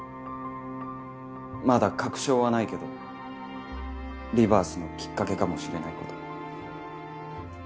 まだ確証はないけどリバースのきっかけかもしれないこと。